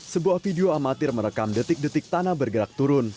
sebuah video amatir merekam detik detik tanah bergerak turun